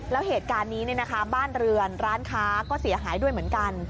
แล้วเหตุการณ์นี้บ้านเรือนร้านค้าก็เสียหายด้วยเหมือนกัน